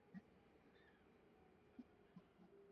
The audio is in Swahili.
Wanyama kuporomosha mimba ni dalili ya ugonjwa wa ndwa